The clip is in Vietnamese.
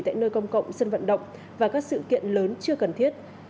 tại nơi công cộng sân vận động và các sự kiện lớn chưa cần thiết